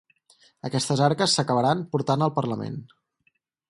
Aquestes arques s’acabaran portant al parlament.